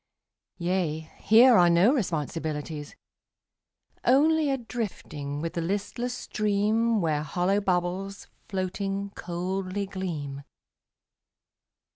Yea, here are no responsibilities. Only a drifting with the listless stream Where hollow bubbles, floating, coldly gleam.